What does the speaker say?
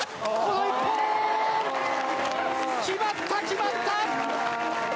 決まった、決まった！